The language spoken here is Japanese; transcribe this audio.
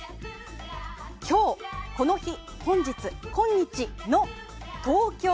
今日、この日、本日、こんにちの東京。